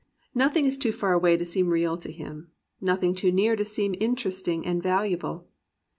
Nothing is too far away to seem real to him, nothing too near to seem interesting and valuable.